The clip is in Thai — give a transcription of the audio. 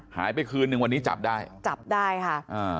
หายไปคืนนึงวันนี้จับได้จับได้ค่ะอ่า